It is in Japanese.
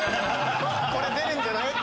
これ出るんじゃない？